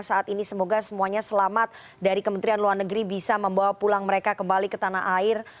saat ini semoga semuanya selamat dari kementerian luar negeri bisa membawa pulang mereka kembali ke tanah air